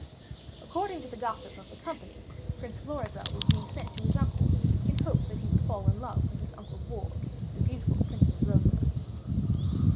According to the gossip of the company, Prince Florizel was being sent to his uncle's in the hope that he would fall in love with his uncle's ward, the beautiful Princess Rosamond.